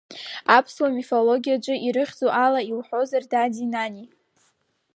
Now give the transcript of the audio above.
Аԥсуа мифологиаҿы ирыхьӡу ала иуҳәозар, Дади Нани.